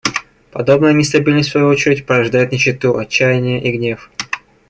Подобная нестабильность, в свою очередь, порождает нищету, отчаяние и гнев.